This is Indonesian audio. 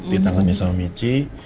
ditangani sama michi